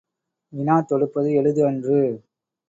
வினா தொடுப்பது எளிது அன்று.